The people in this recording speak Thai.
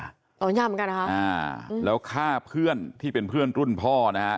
หนอนย่าเหมือนกันนะคะอ่าแล้วฆ่าเพื่อนที่เป็นเพื่อนรุ่นพ่อนะฮะ